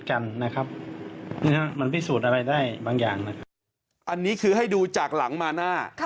อันนี้คือให้ดูจากหลังมาหน้า